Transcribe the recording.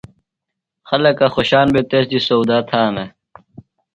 خلکہ خوۡشان بھےۡ تس دی سودا تھانہ۔